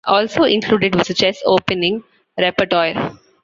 Also included was a chess opening repertoire.